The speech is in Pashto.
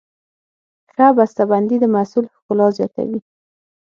ښه بسته بندي د محصول ښکلا زیاتوي.